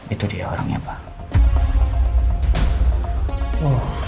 itu dia orangnya pak